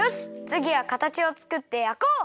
つぎはかたちをつくってやこう！